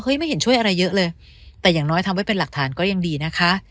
ไม่เห็นช่วยอะไรเยอะเลยแต่อย่างน้อยทำไว้เป็นหลักฐานก็ยังดีนะคะ